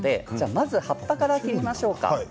まず葉っぱから切りましょうか。